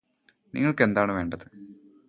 നിങ്ങൾക്കെന്താണ് വേണ്ടത്